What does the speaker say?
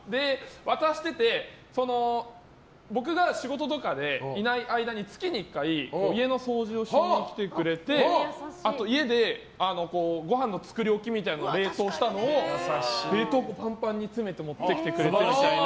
渡してて、僕が仕事とかでいない間に月に１回家の掃除をしに来てくれてあと、家でごはんの作り置きみたいなのを冷凍したのを冷凍庫パンパンに詰めて持ってきてくれるみたいな。